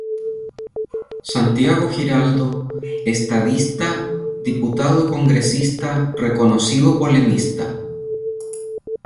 Santiago Giraldo, Estadista, Diputado y Congresista reconocido polemista.